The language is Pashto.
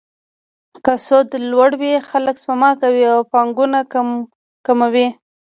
که سود لوړ وي، خلک سپما کوي او پانګونه کمه وي.